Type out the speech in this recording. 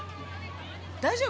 大丈夫？